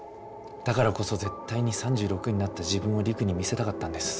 だからこそ絶対に３６になった自分を璃久に見せたかったんです。